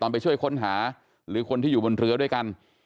ไปช่วยค้นหาหรือคนที่อยู่บนเรือด้วยกัน